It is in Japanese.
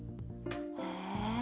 へえ。